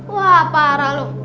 wah parah loh